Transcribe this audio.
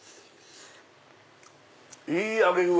いい揚げ具合！